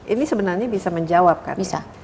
ini sebenarnya bisa menjawabkan